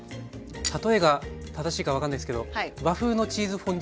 例えが正しいか分かんないですけど和風のチーズフォンデュっぽい感じ。